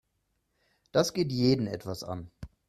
Das geht jeden etwas an.